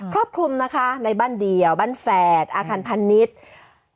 รอบคลุมนะคะในบ้านเดียวบ้านแฝดอาคารพาณิชย์